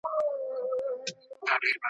چا د خپل بلال ږغ نه دی اورېدلی ,